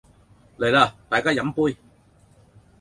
嚟啦大家飲杯